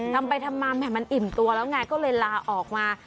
ทำไปทำมามันอิ่มตัวแล้วไงก็เลยลาออกมา